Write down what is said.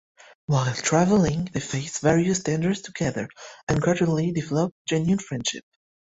While traveling, they face various dangers together and gradually develop a genuine friendship.